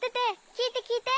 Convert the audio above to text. きいてきいて！